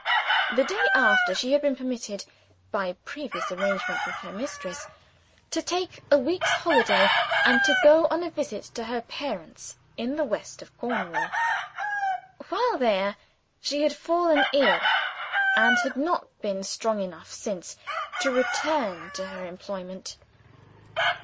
The day after, she had been permitted (by previous arrangement with her mistress) to take a week's holiday, and to go on a visit to her parents, in the west of Cornwall. While there, she had fallen ill, and had not been strong enough since to return to her employment.